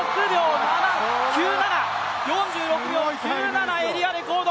４６秒９７、エリアレコード。